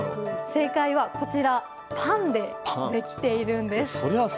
正解は、パンでできているんです。